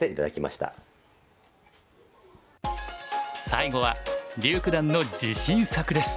最後は柳九段の自信作です。